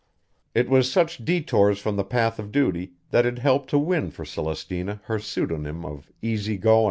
It was such detours from the path of duty that had helped to win for Celestina her pseudonym of "easy goin'."